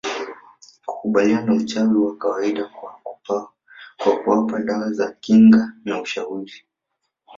kukabiliana na uchawi wa kawaida kwa kuwapa dawa za kinga na ushauri